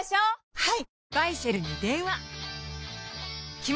はい。